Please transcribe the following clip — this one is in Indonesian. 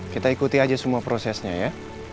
kita ikuti aja semua prosesnya ya